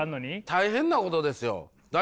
大変なことですよ大丈夫？